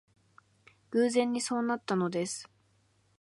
偶然にそうなったのです